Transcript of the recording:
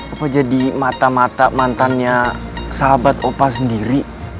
apa jadi mata mata mantannya sahabat opa sendiri